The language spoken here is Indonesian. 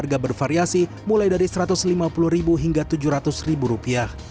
harga bervariasi mulai dari rp satu ratus lima puluh hingga rp tujuh ratus